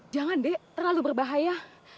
jangan dek terlalu berbahaya